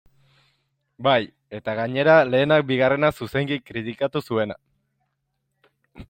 Bai, eta gainera, lehenak bigarrena zuzenki kritikatu zuena.